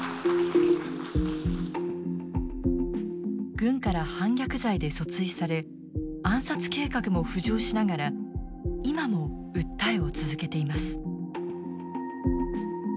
軍から反逆罪で訴追され暗殺計画も浮上しながら今も訴えを続けています。